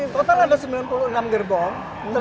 total ada sembilan puluh enam gerbong